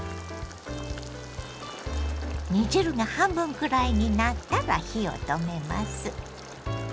煮汁が半分くらいになったら火を止めます。